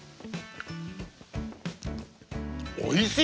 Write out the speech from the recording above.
おいしい！